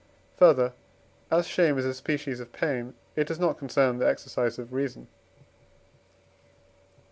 Further, as shame is a species of pain, it does not concern the exercise of reason.